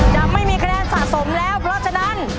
จะไม่มีคะแนนสะสมแล้วเพราะฉะนั้น